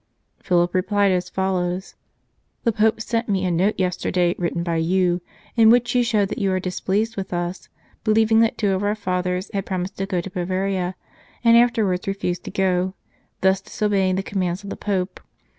Philip replied as follows :" The Pope sent me a note yesterday, written by you, in which you show that you are displeased with us, believing that two of our Fathers had promised to go to Bavaria, and afterwards refused to go, thus dis obeying the commands of the Pope.